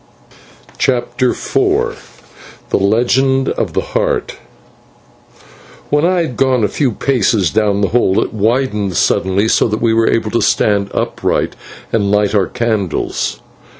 CHAPTER IV THE LEGEND OF THE HEART When I had gone a few paces down the hole, it widened suddenly, so that we were able to stand upright and light our candles.